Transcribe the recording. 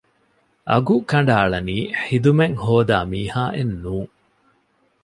އަގު ކަނޑައަޅަނީ ޚިދުމަތް ހޯދާ މީހާއެއް ނޫން